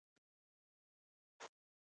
موږ به سبا کابل ته لاړ شو